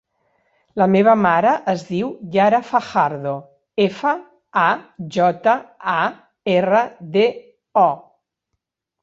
La meva mare es diu Yara Fajardo: efa, a, jota, a, erra, de, o.